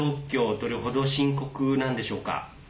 どれ程、深刻なんでしょうか。